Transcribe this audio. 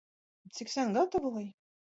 Cik sen gatavoji?